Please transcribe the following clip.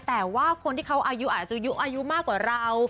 แต่ว่าคนที่เขาอายุอาจจะอายุมากกว่าเรา